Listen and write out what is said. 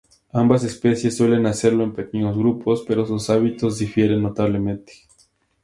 Ambas especies suelen hacerlo en pequeños grupos, pero sus hábitos difieren notablemente.